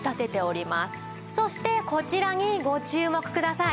そしてこちらにご注目ください。